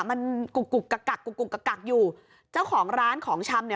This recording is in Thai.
มันกุกกุกกักกักกุกกุกกักกักอยู่เจ้าของร้านของชำเนี่ย